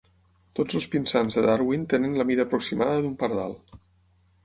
Tots els pinsans de Darwin tenen la mida aproximada d'un pardal.